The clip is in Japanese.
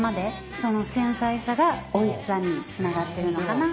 その繊細さがおいしさにつながってるのかな。